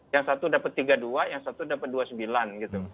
yang satu dapat tiga puluh dua yang satu dapat dua puluh sembilan gitu